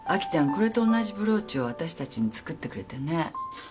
これと同じブローチを私たちに作ってくれてね。